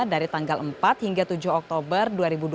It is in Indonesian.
dari tanggal empat hingga tujuh oktober dua ribu dua puluh